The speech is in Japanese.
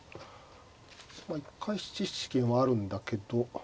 まあ一回７七桂もあるんだけど。